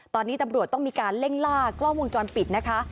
ตอนนี้ตำรวจต้องมีการเล่งล่ากล้องวงจรปิดนะคะ